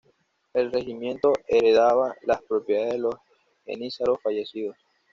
El regimiento heredaba las propiedades de los jenízaros fallecidos.